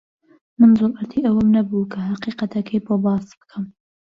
من جورئەتی ئەوەم نەبوو کە حەقیقەتەکەی بۆ باس بکەم.